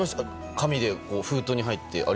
紙で封筒に入って。